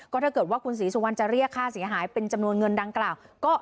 ถ้าเกิดว่าคุณศรีสุวรรณจะเรียกค่าเสียหายเป็นจำนวนเงินดังกล่าวก็